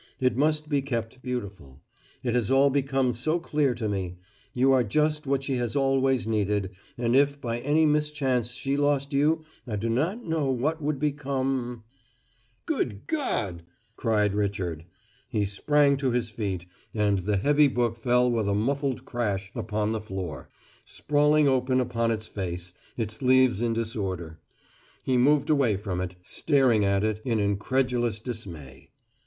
It must be kept beautiful. It has all become so clear to me: You are just what she has always needed, and if by any mischance she lost you I do not know what would become " "Good God!" cried Richard. He sprang to his feet, and the heavy book fell with a muffled crash upon the floor, sprawling open upon its face, its leaves in disorder. He moved away from it, staring at it in incredulous dismay.